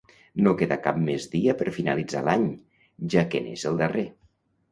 No queda cap més dia per finalitzar l'any, ja que n'és el darrer.